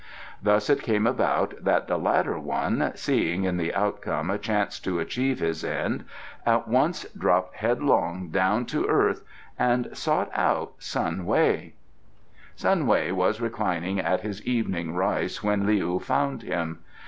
Thus it came about that the latter one, seeing in the outcome a chance to achieve his end, at once dropped headlong down to earth and sought out Sun Wei. Sun Wei was reclining at his evening rice when Leou found him.